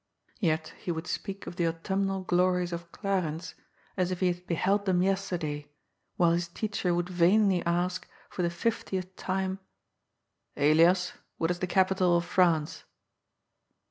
Yet he would speak of the autumnal glories of Clarens, as if he had beheld them yesterday, while his teacher would vainly ask for the fiftieth time :^' Elias, what is the capital of France